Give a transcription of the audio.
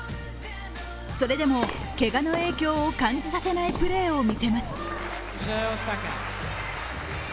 それでもけがの影響を感じさせないプレーを見せます。